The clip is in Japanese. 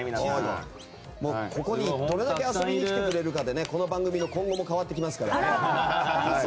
ここにどれだけ遊びに来てくれるかでこの番組の今後も変わりますからね。